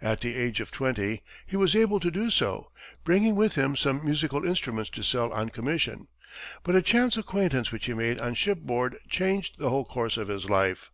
At the age of twenty, he was able to do so, bringing with him some musical instruments to sell on commission, but a chance acquaintance which he made on shipboard changed the whole course of his life.